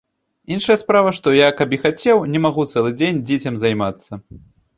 Іншая справа, што я каб і хацеў, не магу цэлы дзень дзіцем займацца.